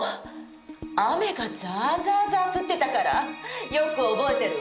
雨がザーザーザー降ってたからよく覚えてるわ。